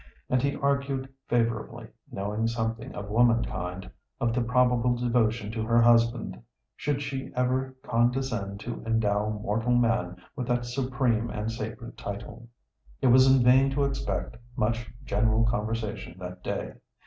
And he argued favourably, knowing something of womankind, of the probable devotion to her husband should she ever condescend to endow mortal man with that supreme and sacred title. It was in vain to expect much general conversation that day.